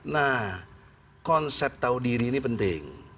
nah konsep tahu diri ini penting